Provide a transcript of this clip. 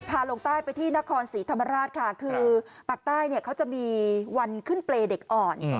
ลงใต้ไปที่นครศรีธรรมราชค่ะคือปากใต้เนี่ยเขาจะมีวันขึ้นเปรย์เด็กอ่อน